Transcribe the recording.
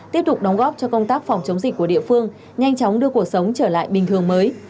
tiếp tục đóng góp cho công tác phòng chống dịch của địa phương nhanh chóng đưa cuộc sống trở lại bình thường mới